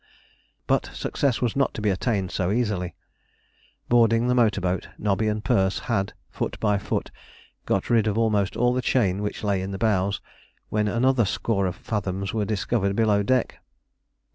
But success was not to be attained so easily. Boarding the motor boat, Nobby and Perce had, foot by foot, got rid of almost all the chain which lay in the bows, when another score of fathoms were discovered below deck.